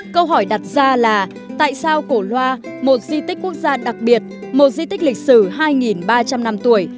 câu hỏi đặt ra là tại sao cổ loa một di tích quốc gia đặc biệt một di tích lịch sử hai ba trăm linh năm tuổi